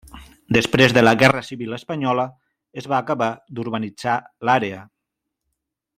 Després de la Guerra Civil espanyola es va acabar d'urbanitzar l'àrea.